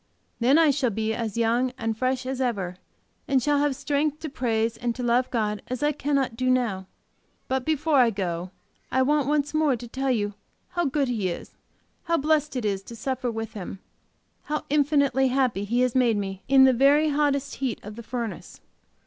Then I shall be as young and fresh as ever, and shall have strength to praise and to love God as I cannot do now. But before I go I want once more to tell you how good He is, how blessed it is to suffer with Him, how infinitely happy He has made me in the very hottest heat of the furnace.